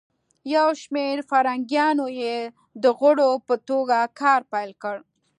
یو شمیر فرهنګیانو یی د غړو په توګه کار پیل کړ.